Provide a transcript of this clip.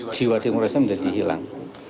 jiwa demokrasi menjadi hilang